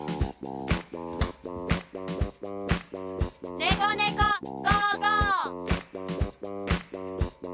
「ねこねこ５５」！